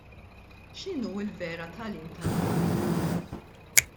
X'inhu l-vera tagħlim tal-Koran?